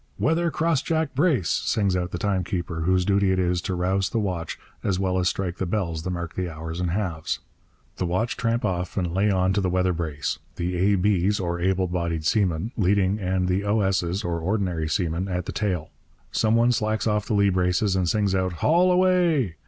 'Weather crossjack brace!' sings out the timekeeper, whose duty it is to rouse the watch as well as strike the bells that mark the hours and halves. The watch tramp off and lay on to the weather brace, the A.B.'s (or able bodied seamen) leading and the O.S.'s (ordinary seamen) at the tail. Some one slacks off the lee braces and sings out 'Haul away!'